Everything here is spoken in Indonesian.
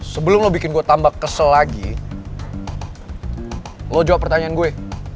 sebelum lo bikin gue tambah kesel lagi lo jawab pertanyaan gue